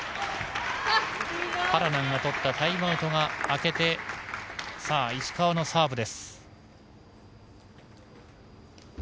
パラナンがとったタイムアウトが明けてさあ、石川のサーブです。